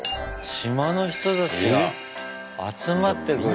島の人たちが集まってくれんだ。